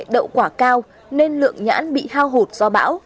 đậu quả cao nên lượng nhãn bị hao hụt do bão